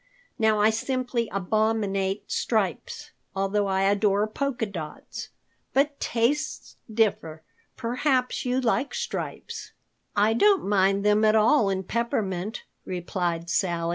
Now I simply abominate stripes, although I adore polka dots. But tastes differ. Perhaps you like stripes?" "I don't mind them at all in peppermint," replied Sally.